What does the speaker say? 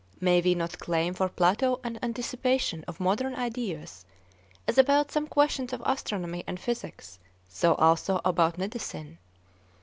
May we not claim for Plato an anticipation of modern ideas as about some questions of astronomy and physics, so also about medicine?